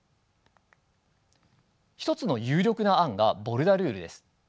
一つの有力な案がボルダルールです。